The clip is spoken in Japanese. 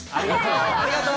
ありがとう。